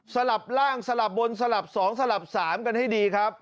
ลับร่างสลับบนสลับ๒สลับ๓กันให้ดีครับ